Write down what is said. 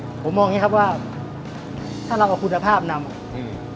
ผมมองอย่างงี้ครับว่าถ้าเราเอาคุณภาพนำอืม